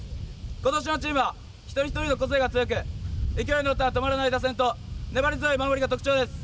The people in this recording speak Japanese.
今年のチームは一人一人の個性が強く勢いに乗ったら止まらない打線と粘り強い守りが特徴です。